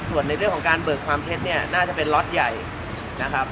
ส่วนในเรื่องของการเบิกความเท็จเนี่ยน่าจะเป็นล็อตใหญ่นะครับ